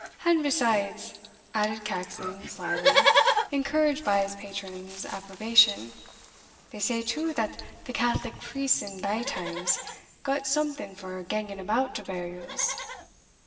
"And besides," added Caxon, slyly, encouraged by his patron's approbation, "they say, too, that the Catholic priests in thae times gat something for ganging about to burials."